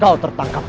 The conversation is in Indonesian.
kau tertangkap juh